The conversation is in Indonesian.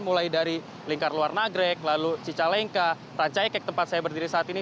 mulai dari lingkar luar nagrek lalu cicalengka rancaikek tempat saya berdiri saat ini